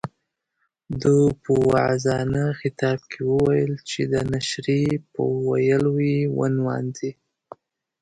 ده په واعظانه خطاب کې ویل چې د نشرې په ويلو یې ونمانځئ.